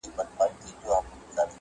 غرونه او فضا ورته د خپل درد برخه ښکاري,